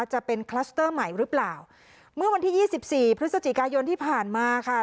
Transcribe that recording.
จะเป็นคลัสเตอร์ใหม่หรือเปล่าเมื่อวันที่ยี่สิบสี่พฤศจิกายนที่ผ่านมาค่ะ